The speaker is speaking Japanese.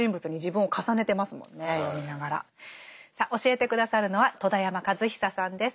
さあ教えて下さるのは戸田山和久さんです。